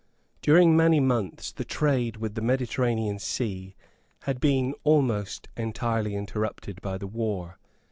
During many months the trade with the Mediterranean Sea had been almost entirely interrupted by the war.